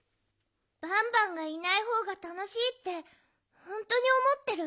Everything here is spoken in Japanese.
バンバンがいないほうがたのしいってほんとにおもってる？